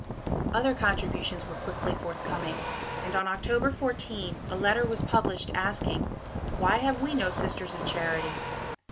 Other contributions were quickly forthcoming, and on October 14 a letter was published asking: "Why have we no Sisters of Charity?